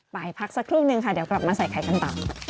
ไปพักสักครู่นึงค่ะเดี๋ยวกลับมาใส่ไข่กันต่อ